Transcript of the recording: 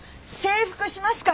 征服しますか？